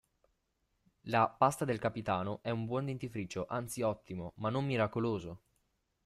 La “Pasta del Capitano” è un buon dentifricio, anzi ottimo, ma non miracoloso!